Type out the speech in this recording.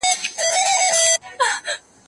کېدای سي خواړه خراب وي؟